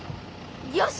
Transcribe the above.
よし！